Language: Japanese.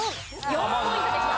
４ポイントでした。